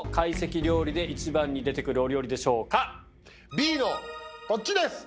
Ｂのこっちです！